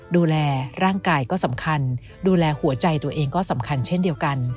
ดูแลร่างกายก็สำคัญดูแลหัวใจตัวเองก็สำคัญเช่นเดียวกัน